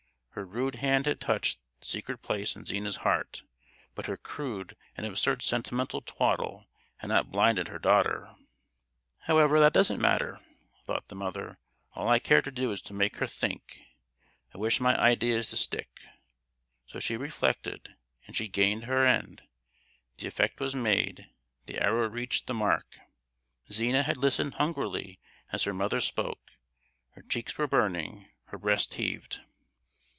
Her rude hand had touched the sorest place in Zina's heart, but her crude and absurd sentimental twaddle had not blinded her daughter. "However, that doesn't matter"—thought the mother. "All I care to do is to make her think; I wish my ideas to stick!" So she reflected, and she gained her end; the effect was made—the arrow reached the mark. Zina had listened hungrily as her mother spoke; her cheeks were burning, her breast heaved.